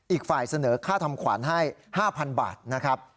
อีกฝ่ายเสนอค่าทำขวัญให้๕๐๐๐บาทนะครับ